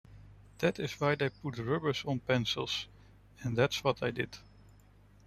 That's why they put rubbers on pencils, and that's what I did.